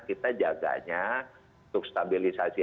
kita jaganya untuk stabilisasi